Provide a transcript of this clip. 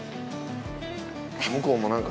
向こうもなんか。